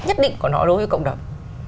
nhất định của nó đối với cộng đồng